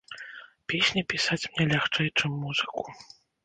Песні пісаць мне лягчэй, чым музыку.